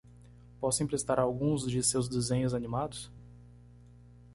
Posso emprestar alguns de seus desenhos animados?